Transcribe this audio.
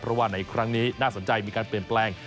เพราะว่าในครั้งนี้น่าสนใจมีการเปลี่ยนแปลง